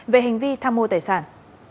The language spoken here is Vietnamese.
về hành vi tham mô tài sản